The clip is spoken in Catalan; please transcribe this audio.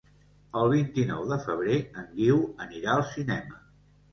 El vint-i-nou de febrer en Guiu anirà al cinema.